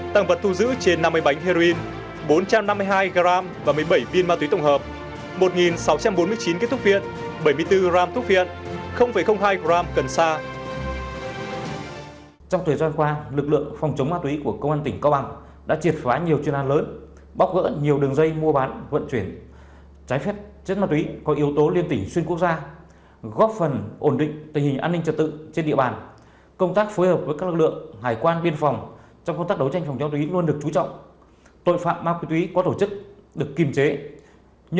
tăng vật thu giữ trên năm mươi bánh heroin bốn trăm năm mươi hai gram và một mươi bảy viên ma túy tổng hợp một nghìn sáu trăm bốn mươi chín cái thuốc viện bảy mươi bốn gram thuốc viện